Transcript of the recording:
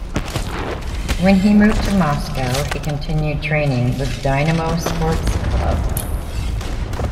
When he moved to Moscow, he continued training with Dynamo Sports Club.